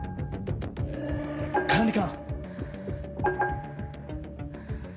管理官！